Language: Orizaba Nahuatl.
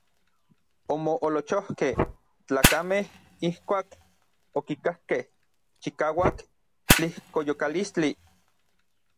Omoolochojkej tlakamej ijkuak okikakkej chikauak tlijkoyokalistli.